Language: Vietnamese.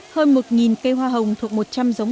hơn một cây hoa hồng thuộc một trăm linh giống hoa hồng